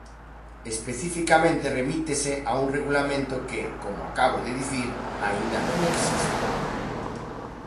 Especificamente remítese a un regulamento que, como acabo de dicir, aínda non existe.